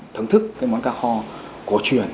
thưởng thức cái món cá kho cổ truyền